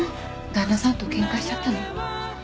旦那さんとケンカしちゃったの？